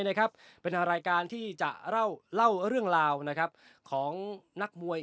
นะครับเป็นรายการที่จะเล่าเล่าเรื่องราวนะครับของนักมวย